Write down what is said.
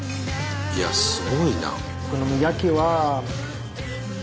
いやすごいな。